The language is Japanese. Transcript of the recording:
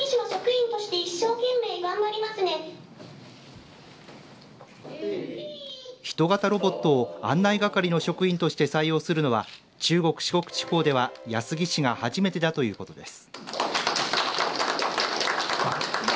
人型ロボットを案内係の職員として採用するのは中国、四国地方では安来市が初めてだということです。